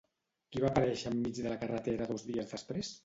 Qui va aparèixer en mig de la carretera dos dies després?